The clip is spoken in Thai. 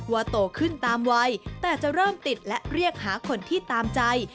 โตขึ้นตามวัยแต่จะเริ่มติดและเรียกหาคนที่ตามใจ